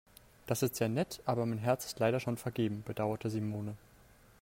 "Das ist sehr nett, aber mein Herz ist leider schon vergeben", bedauerte Simone.